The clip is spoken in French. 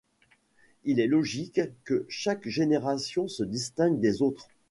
Il est logique que chaque génération se distingue des autres.